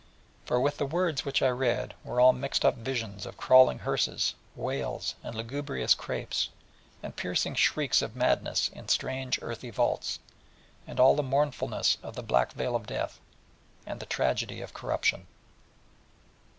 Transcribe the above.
For with the words which I read were all mixed up visions of crawling hearses, wails, and lugubrious crapes, and piercing shrieks of madness in strange earthy vaults, and all the mournfulness of the black Vale of Death, and the tragedy of corruption.